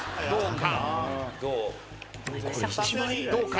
どうか？